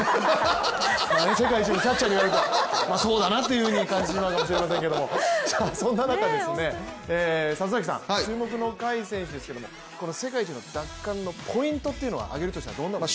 世界一のキャッチャーにいわれるとそうだなと感じるかもしれませんけどもそんな中、里崎さん注目の甲斐選手ですけども世界一の奪還のポイントを挙げるとしたらどんなところが？